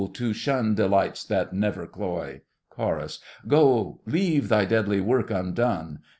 to shun delights that never cloy! CHORUS. Go, leave thy deadly work undone!